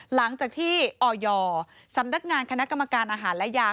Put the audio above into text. หลังจากที่ออยสำนักงานคณะกรรมการอาหารและยา